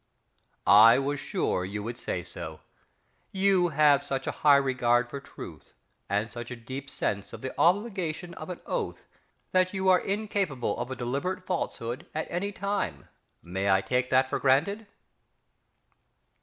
I was sure you would say so. You have such a high regard for truth, and such a deep sense of the obligation of an oath, that you are incapable of a deliberate falsehood at any time may I take that for granted?...